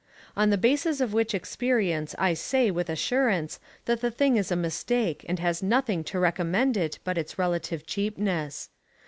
On the basis of which experience I say with assurance that the thing is a mistake and has nothing to recommend it but its relative cheapness.